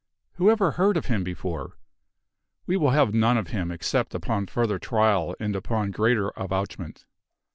Who ever heard of him before? We will have none of him except upon further trial and upon greater avouchment."